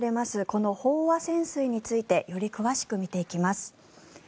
この飽和潜水についてより詳しく見ていきます。